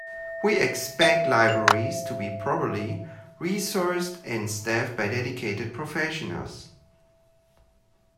We expect libraries to be properly resourced and staffed by dedicated professionals.